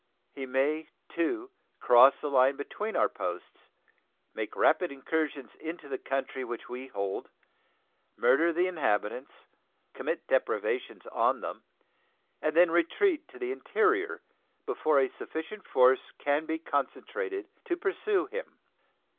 He may, too, cross the line between our posts, make rapid incursions into the country which we hold, murder the inhabitants, commit depredations on them, and then retreat to the interior before a sufficient force can be concentrated to pursue him.